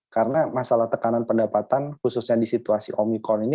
karena masalah tekanan pendapatan khususnya di situasi omikron ini